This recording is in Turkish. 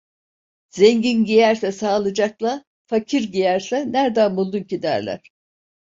Zengin giyerse sağlıcakla, fakir giyerse nerden buldu ki derler.